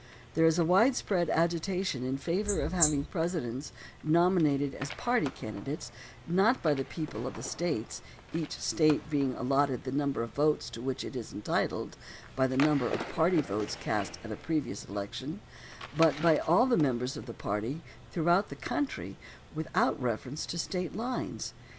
There is a widespread agitation in favor of having Presidents nominated as party candidates, not by the people of the States, each State being allotted the num ber of votes to which it is entitled by the number of party votes cast at a previous election, but by all the members of the party throughout the country without reference to State lines.